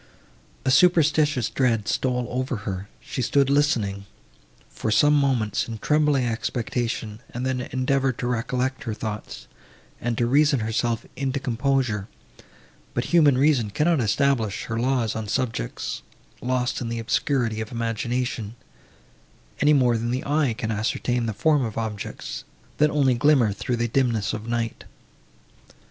A superstitious dread stole over her; she stood listening, for some moments, in trembling expectation, and then endeavoured to recollect her thoughts, and to reason herself into composure; but human reason cannot establish her laws on subjects, lost in the obscurity of imagination, any more than the eye can ascertain the form of objects, that only glimmer through the dimness of night.